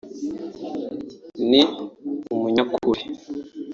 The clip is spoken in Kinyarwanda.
ni umunyakuri